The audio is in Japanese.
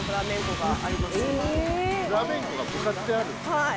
はい。